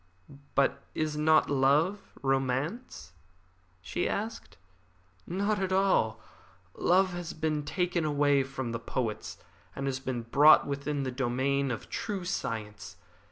"But is not love romance?" she asked. "Not at all. Love has been taken away from the poets, and has been brought within the domain of true science.